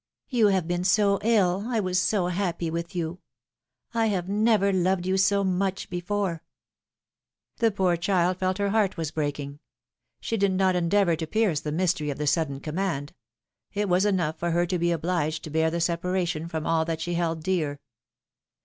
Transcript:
You have been so ill, I was so happy with you ! I have never loved you so much before!" The poor child felt her heart was breaking; she did not endeavor to pierce the mystery of the sudden command; 15 234 PIIILOMENE^S MAEEIAGES. it was enough for her to be obliged to bear the separation from all that she held dear.